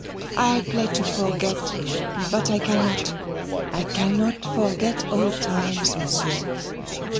I play to forget, but I cannot. I cannot forget old times, monsieur.